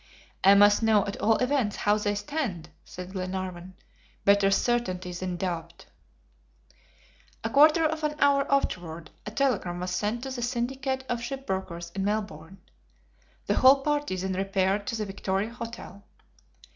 "I must know at all events how they stand," said Glenarvan. "Better certainty than doubt." A quarter of an hour afterward a telegram was sent to the syndicate of shipbrokers in Melbourne. The whole party then repaired to the Victoria Hotel.